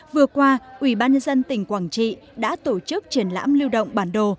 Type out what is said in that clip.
vừa qua ủy ban nhân dân tỉnh quảng trị đã tổ chức triển lãm lưu động bản đồ